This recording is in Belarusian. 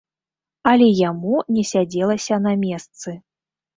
Але яму не сядзелася на месцы.